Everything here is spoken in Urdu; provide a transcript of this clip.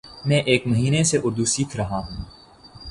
میں ایک مہینہ سے اردو سیکھرہاہوں